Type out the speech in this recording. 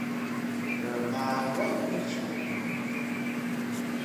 Rngagay misu